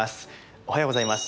おはようございます。